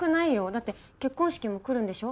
だって結婚式も来るんでしょ？